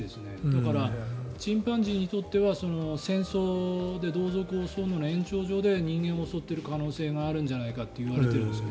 だから、チンパンジーにとっては戦争で同族を襲う延長線上で人間を襲っている可能性があるのではといわれているんです。